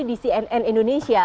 dan ini masih di cnn indonesia